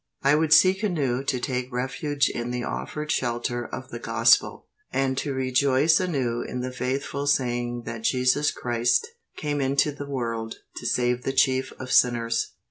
I would seek anew to take refuge in the offered shelter of the Gospel, and to rejoice anew in the faithful saying that Jesus Christ came into the world to save the chief of sinners.